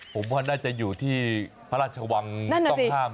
ผมว่าน่าจะอยู่ที่พระราชวังต้องห้าม